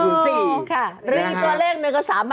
คุณแม่เล่าด้วยนะคะขอบคุณแม่ฟังเสียงคุณแม่กันค่ะ